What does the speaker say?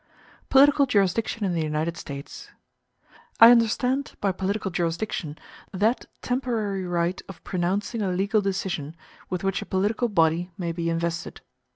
Political Jurisdiction In The United States I understand, by political jurisdiction, that temporary right of pronouncing a legal decision with which a political body may be invested.